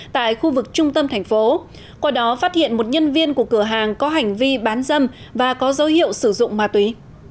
tại khu vực trung tâm thành phố qua đó phát hiện một nhân viên của cửa hàng có hành vi bán dâm và có dấu hiệu sử dụng ma túy